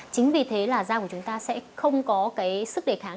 chính vì thế là da của chúng ta sẽ không có cái sức đề kháng